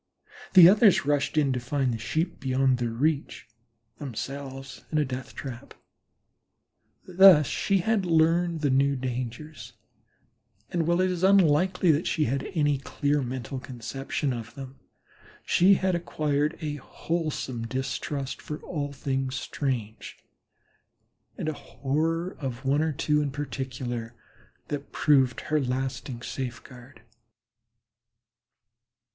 The others rushed in to find the Sheep beyond their reach, themselves in a death trap. Thus she had learned the newer dangers, and while it is unlikely that she had any clear mental conception of them she had acquired a wholesome distrust of all things strange, and a horror of one or two in particular that proved her lasting safeguard.